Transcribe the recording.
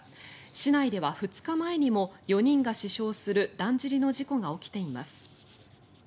市内では２日前にも４人が死傷するだんじりの事故が起きています。